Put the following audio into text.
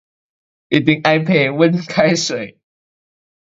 一定 iPad 溫開水